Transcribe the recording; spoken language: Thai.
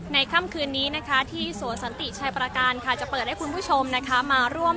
ค่ำคืนนี้นะคะที่สวนสันติชัยประการค่ะจะเปิดให้คุณผู้ชมมาร่วม